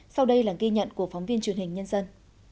sau đây là ghi nhận của phóng viên truyền hình nhân dân